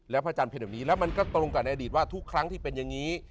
พระอาจารย์เป็นแบบนี้แล้วมันก็ตรงกับในอดีตว่าทุกครั้งที่เป็นอย่างนี้